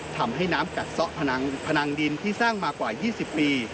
ทำให้น้ำกัดซะพนังดินที่สร้างมากว่า๒๐ปี